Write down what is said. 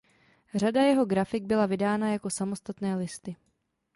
Řada jeho grafik byla vydána jako samostatné listy.